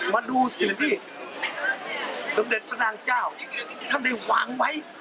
มาดูสิ่งที่สมเด็จพระนางเจ้าท่านได้วางไว้